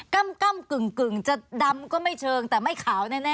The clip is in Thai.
กำกึ่งจะดำก็ไม่เชิงแต่ไม่ขาวแน่